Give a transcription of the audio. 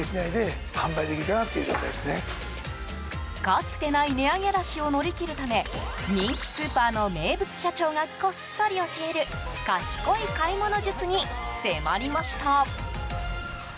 かつてない値上げラッシュを乗り切るため人気スーパーの名物社長がこっそり教える賢い買い物術に迫りました。